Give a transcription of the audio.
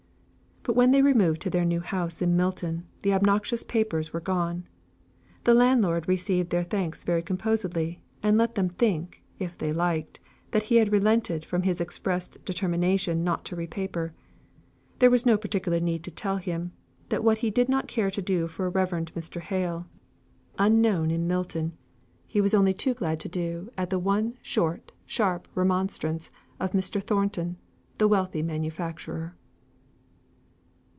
But when they removed to their new house in Milton, the obnoxious papers were gone. The landlord received their thanks very composedly; and let them think, if they liked, that he had relented from his expressed determination not to repaper. There was no particular need to tell them, that what he did not care to do for a Reverend Mr. Hale, unknown in Milton, he was only too glad to do at the one short sharp remonstrance of Mr. Thornton, the wealthy manufacturer.